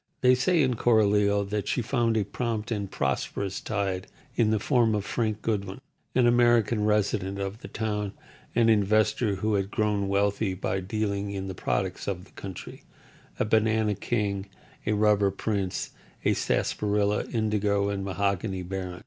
They say, in Coralio, that she found a prompt and prosperous tide in the form of Frank Goodwin, an American resident of the town, an investor who had grown wealthy by dealing in the products of the country—a banana king, a rubber prince, a sarsaparilla, indigo, and mahogany baron.